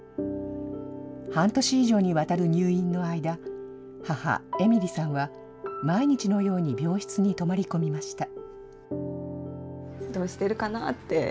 半年以上にわたる入院の間、母、絵美里さんは毎日のように病室に泊まり込みました。